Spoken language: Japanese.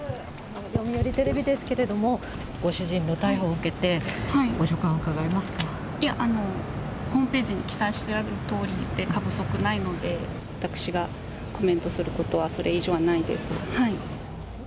読売テレビですけれども、ご主人の逮捕を受けて、いや、ホームページに記載してあるとおりで過不足ないので、私がコメントすることはそれ以上はないです。